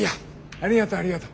ありがとうありがとう。